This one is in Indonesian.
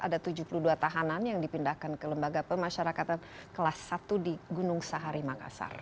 ada tujuh puluh dua tahanan yang dipindahkan ke lembaga pemasyarakatan kelas satu di gunung sahari makassar